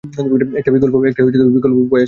একটা বিকল্প উপায় আছে, ক্যাপ্টেন।